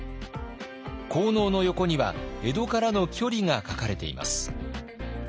効能の横には江戸からの距離が書かれています。